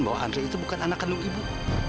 bahwa andre itu bukan anak kandung ibu